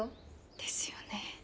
ですよね。